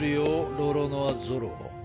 ロロノア・ゾロ。